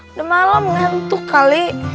udah malem ngantuk kali